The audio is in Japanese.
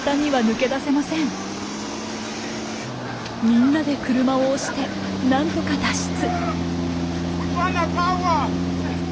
みんなで車を押して何とか脱出。